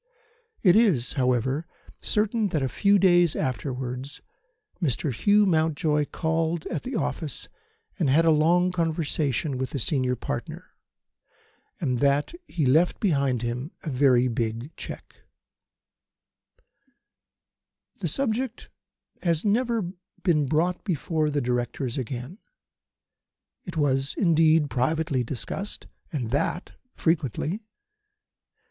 It is, however, certain that a few days afterwards Mr. Hugh Mountjoy called at the office and had a long conversation with the senior partner, and that he left behind him a very big cheque. The subject has never been brought before the Directors again. It was, indeed, privately discussed, and that frequently.